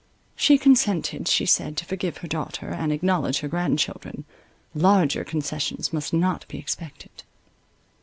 She consented, she said, to forgive her daughter, and acknowledge her grandchildren; larger concessions must not be expected.